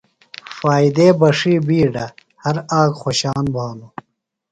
فائدے بݜیۡ بِیڈہ، ہر آک خوشان بھانوۡ